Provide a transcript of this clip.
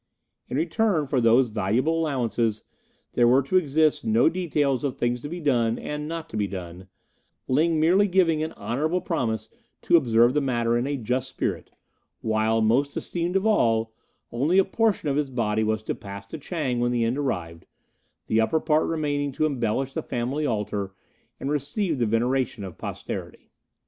In return for these valuable allowances, there were to exist no details of things to be done and not to be done, Ling merely giving an honourable promise to observe the matter in a just spirit, while most esteemed of all only a portion of his body was to pass to Chang when the end arrived, the upper part remaining to embellish the family altar and receive the veneration of posterity.